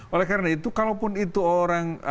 oleh karena itu kalaupun itu orang